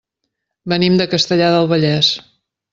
Venim de Castellar del Vallès.